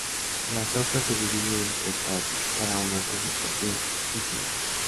Las hojas se dividen en tres partes, cada una con su propio pecíolo.